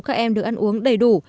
các em được ăn uống đầy đủ